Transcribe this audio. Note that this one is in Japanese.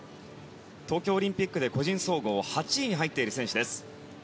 東京オリンピックで個人総合８位に入っている選手です。